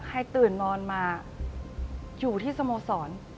ใครตื่นนอนมาอยู่ที่สโมสร